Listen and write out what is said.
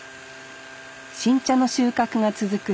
新茶の収獲が続く